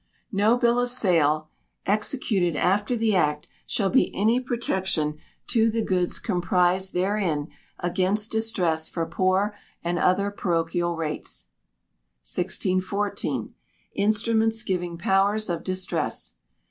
No bill of sale executed after the Act shall be any protection to the goods comprised therein against distress for poor and other parochial rates. 1614. Instruments giving Powers of Distress.